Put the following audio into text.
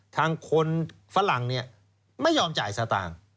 ทางคนฝรั่งไม่ยอมจ่ายสตางค์